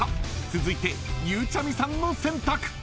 ［続いてゆうちゃみさんの選択］